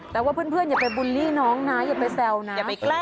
แต่ว่าเพื่อนอย่าไปบุลลี่น้องนะอย่าไปแซวนะ